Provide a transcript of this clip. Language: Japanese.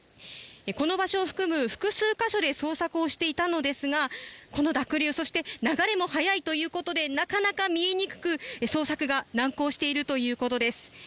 この場所を含む複数箇所で捜索をしていたのですがこの濁流、そして流れも速いということでなかなか見えにくく、捜索が難航しているということです。